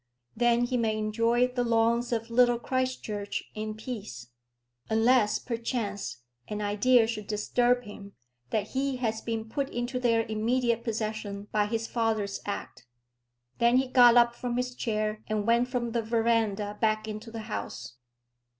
Then he may enjoy the lawns of Little Christchurch in peace, unless, perchance, an idea should disturb him, that he has been put into their immediate possession by his father's act." Then he got up from his chair and went from the verandah back into the house.